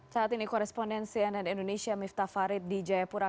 saat ini korespondensi ann indonesia miftah farid di jayapura